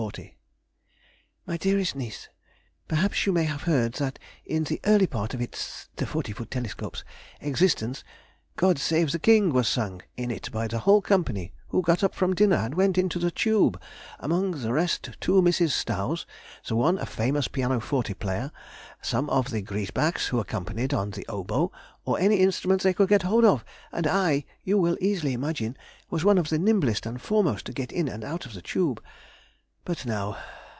10, 1840_. MY DEAREST NIECE,— Perhaps you may have heard that in the early part of its [the forty foot telescope's] existence, "God save the King" was sung in it by the whole company, who got up from dinner and went into the tube, among the rest two Misses Stows, the one a famous pianoforte player, some of the Griesbachs, who accompanied on the oboe, or any instrument they could get hold of, and I, you will easily imagine, was one of the nimblest and foremost to get in and out of the tube. But now!